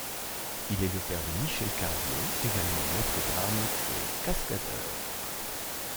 Il est le père de Michel Carliez, également maître d'armes et cascadeur.